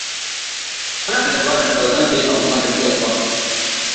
Muna da dabarar da ba za mu yi abu mara kyau ba.